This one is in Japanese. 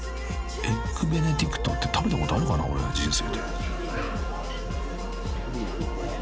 ［エッグベネディクトって食べたことあるかな俺人生で］